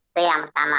itu yang pertama